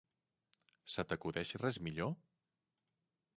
Se t'acudeix res millor?